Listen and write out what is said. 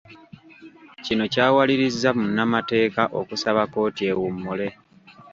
Kino kyawaliririzza munnamateeka okusaba kkooti ewummule.